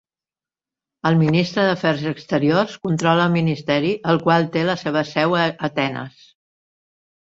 El Ministre d'Afers Exteriors controla el ministeri, el qual té la seva seu a Atenes.